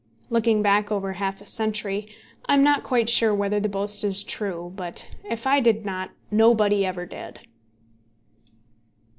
Looking back over half a century, I am not quite sure whether the boast is true; but if I did not, nobody ever did.